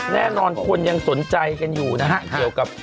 แน่นอนคนยังสนใจกันอยู่นะฮะเกี่ยวกับ